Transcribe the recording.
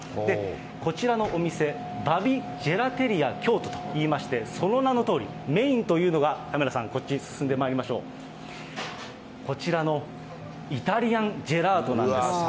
こちらのお店、バビ・ジェラテリア・キョウトといいましてその名のとおり、メインというのが、カメラさん、こっち進んでまいりましょう、こちらのイタリアンジェラートなんです。